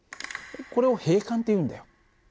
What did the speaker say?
これを閉管っていうんだよ。